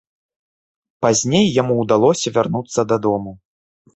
Пазней яму ўдалося вярнуцца дадому.